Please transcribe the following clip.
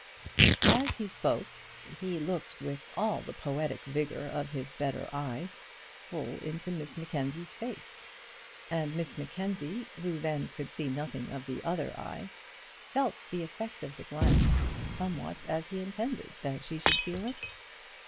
As he spoke he looked with all the poetic vigour of his better eye full into Miss Mackenzie's face, and Miss Mackenzie, who then could see nothing of the other eye, felt the effect of the glance somewhat as he intended that she should feel it.